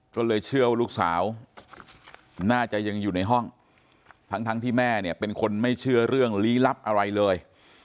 ก็เลยเชื่อว่าลูกสาวน่าจะยังอยู่ในห้องทั้งที่แม่เนี่ยเป็นคนไม่เชื่อเรื่องลี้ลับอะไรเลย